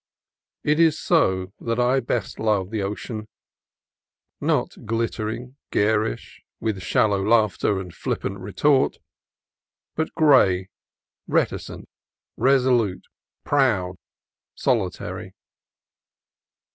It is so that I best love the ocean, — not glittering, garish, with shallow laughter and flippant retort, but gray, reticent, resolute, proud, solitary.